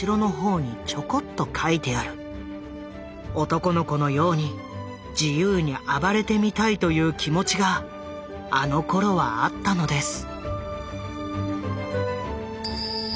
男の子のように自由に暴れてみたいという気持ちがあのころはあったのです」。